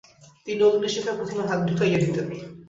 তিনি অগ্নিশিখায় প্রথমে হাত ঢুকাইয়া দিতেন।